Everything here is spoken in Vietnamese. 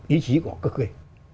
ý chí của họ cực kỳ